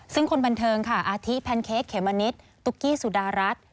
ซึ่งคนบันเทิงค่ะอาทิแพนเค้กเขมมะนิดตุ๊กกี้สุดารัฐ